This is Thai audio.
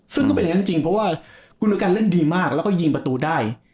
ซึ่งก็เป็นอย่างนั้นจริงเพราะว่ากุณกันเล่นดีมากแล้วก็ยิงประตูได้